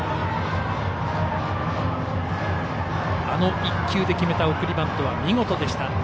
あの１球で決めた送りバントは見事でした。